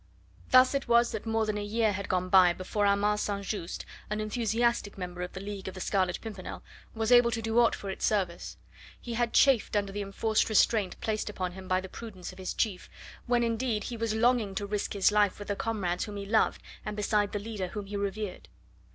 Thus it was that more than a year had gone by before Armand St. Just an enthusiastic member of the League of the Scarlet Pimpernel was able to do aught for its service. He had chafed under the enforced restraint placed upon him by the prudence of his chief, when, indeed, he was longing to risk his life with the comrades whom he loved and beside the leader whom he revered.